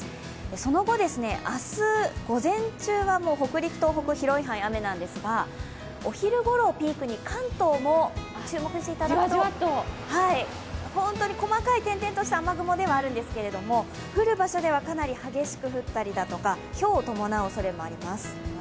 その後、明日午前中は北陸、東北広い範囲で雨なんですがお昼ごろをピークに関東も注目していただくと本当に細かい点々とした雨雲ではあるんですけれども、降る場所ではかなり激しく降ったりだとかひょうを伴うおそれもあります。